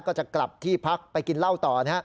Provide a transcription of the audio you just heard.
ก็จะกลับที่พักไปกินเหล้าต่อนะฮะ